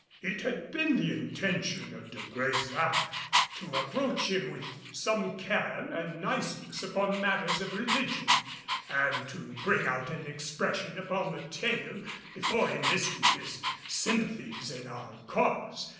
It had been the intention of De Brésac to approach him with some care and niceness upon matters of religion and to bring out an expression upon the tale before enlisting his sympathies in our cause.